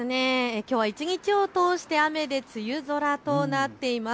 きょうは一日を通して雨で梅雨空となっています。